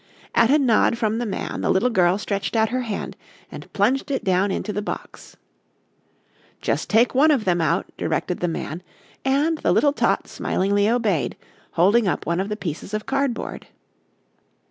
At a nod from the man, the little girl stretched out her hand and plunged it down into the box. "Just take one of them out," directed the man and the little tot smilingly obeyed, holding up one of the pieces of cardboard.